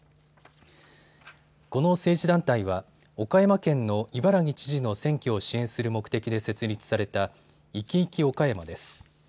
この政治団体は岡山県の伊原木知事の選挙を支援する目的で設立された生き活き岡山です。